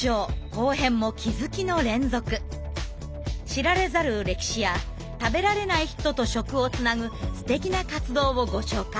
知られざる歴史や食べられない人と食をつなぐすてきな活動をご紹介。